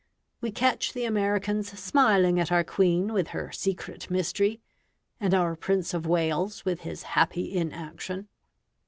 We catch the Americans smiling at our Queen with her secret mystery, and our Prince of Wales with his happy inaction.